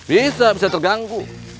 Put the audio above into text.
bisa bisa terganggu